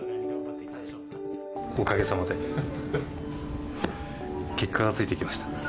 おかげさまで、結果がついてきました。